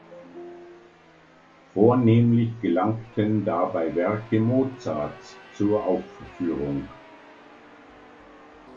Vornehmlich gelangten dabei Werke Mozarts zur Aufführung.